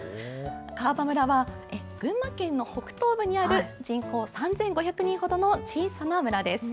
川場村は群馬県の北東部にある、人口３５００人ほどの小さな村です。